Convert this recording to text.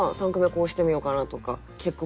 こうしてみようかなとか。